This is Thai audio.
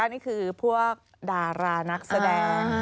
นี่คือพวกดารานักแสดง